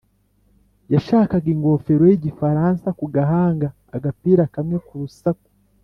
yashakaga ingofero y’igifaransa ku gahanga, agapira kamwe ku rusaku,